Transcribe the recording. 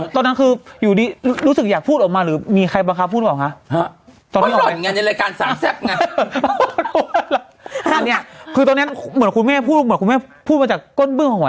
ตอนนั้นคืออยู่ที่รู้สึกอยากพูดกันหรือมีใครบังคาพูดบอกครับ